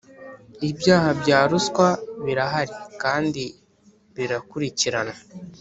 ibyaha bya ruswa birahari kandi birakurikiranwa